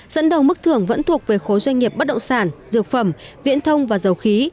dẫn đầu mức thưởng vẫn thuộc về khối doanh nghiệp bất động sản dược phẩm viễn thông và dầu khí